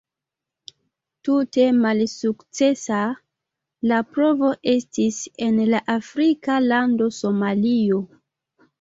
Tute malsukcesa la provo estis en la afrika lando Somalio.